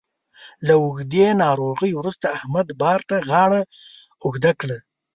له اوږدې ناروغۍ وروسته احمد بار ته غاړه اوږده کړه